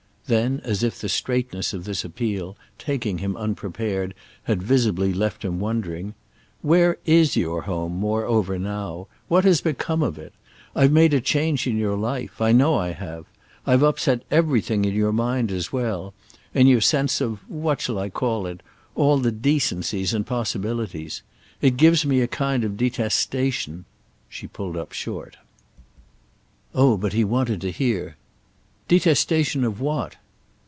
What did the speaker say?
Then as if the straightness of this appeal, taking him unprepared, had visibly left him wondering: "Where is your 'home' moreover now—what has become of it? I've made a change in your life, I know I have; I've upset everything in your mind as well; in your sense of—what shall I call it?—all the decencies and possibilities. It gives me a kind of detestation—" She pulled up short. Oh but he wanted to hear. "Detestation of what?"